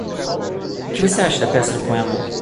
O que você acha da peça do poema?